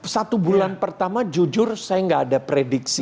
satu bulan pertama jujur saya nggak ada prediksi